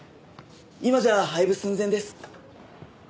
今じゃ廃部寸前です。